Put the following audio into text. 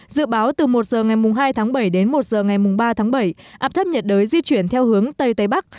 dự báo từ một giờ ngày hai tháng bảy đến một giờ ngày ba tháng bảy áp thấp nhiệt đới di chuyển theo hướng tây tây bắc